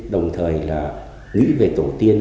đồng thời là nghĩ về tổ tiên